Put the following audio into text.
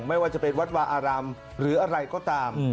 ไม่ว่าจะเป็นวัดวาอารามหรืออะไรก็ตาม